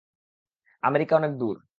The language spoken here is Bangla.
আমেরিকা অনেক দূরে।